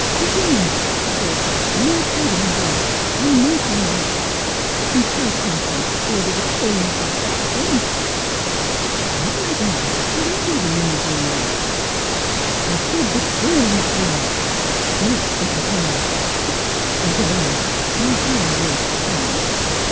"Fifine!" she called sharply. "My travelling dress, and motoring wraps, and tell Parkyns to order the touring car at once !"" Oui, madame ; already the limousine waits." " I said the touring car. It makes better time. Quickly, girl, my high laced shoes!